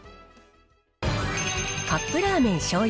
カップラーメンしょうゆ